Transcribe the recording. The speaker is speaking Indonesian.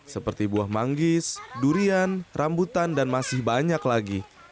seperti buah manggis durian rambutan dan masih banyak lagi